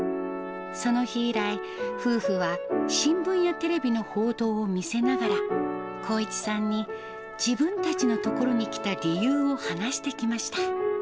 その日以来、夫婦は新聞やテレビの報道を見せながら、航一さんに自分たちのところに来た理由を話してきました。